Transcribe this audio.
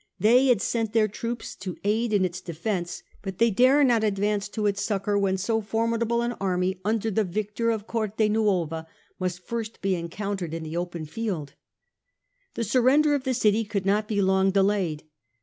They had sent their troops to aid in its defence, but they dare not advance THE GATHERING OF THE CLOUDS 261 to its succour when so formidable an army, under the victor of Cortenuova, must first be encountered in the open field. The surrender of the city could not be long delayed.